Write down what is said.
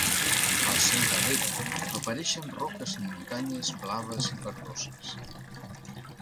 Al seu darrere, apareixen roques i muntanyes blaves i verdoses.